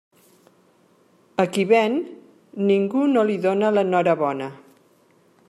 A qui ven, ningú no li dóna l'enhorabona.